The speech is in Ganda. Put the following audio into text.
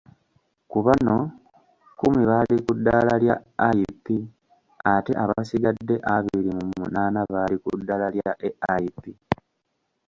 Kubano, kkumi bali kuddaala lya IP ate abasigadde abiri mu munaana bali ku ddaala lya AIP.